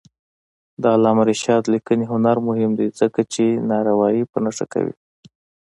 د علامه رشاد لیکنی هنر مهم دی ځکه چې ناروايي په نښه کوي.